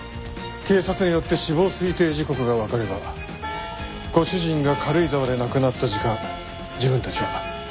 警察によって死亡推定時刻がわかればご主人が軽井沢で亡くなった時間自分たちは屋敷にいた事になる。